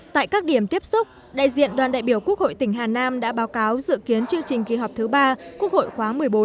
tại các điểm tiếp xúc đại diện đoàn đại biểu quốc hội tỉnh hà nam đã báo cáo dự kiến chương trình kỳ họp thứ ba quốc hội khóa một mươi bốn